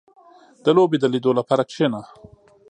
• د لوبې د لیدو لپاره کښېنه.